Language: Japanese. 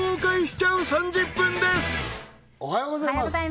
おはようございます